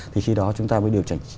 thì khi đó chúng ta mới điều chỉnh